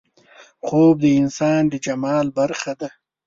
خوب د انسان د جمال برخه ده